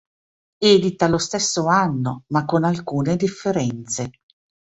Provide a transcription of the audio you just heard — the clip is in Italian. Edita lo stesso anno, ma con alcune differenze.